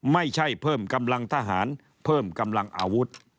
ไม่ใช่เพิ่มกำลังทหารเพิ่มกำลังอาวุธ